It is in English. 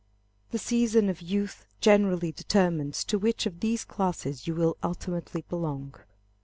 The season of youth generally determines to which of these classes you will ultimately belong.